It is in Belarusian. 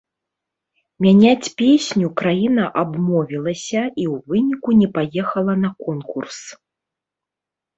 Мяняць песню краіна абмовілася і ў выніку не паехала на конкурс.